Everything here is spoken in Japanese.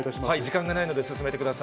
時間がないので進めてくださ